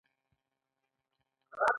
د ټولنیز تولید او خصوصي مالکیت تضاد به وي